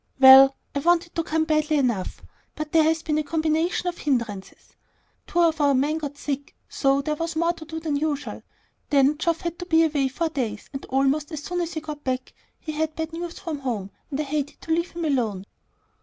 "Well, I've wanted to come badly enough, but there has been a combination of hindrances. Two of our men got sick, so there was more to do than usual; then Geoff had to be away four days, and almost as soon as he got back he had bad news from home, and I hated to leave him alone."